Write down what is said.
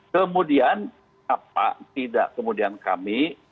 kemudian apa tidak kemudian kami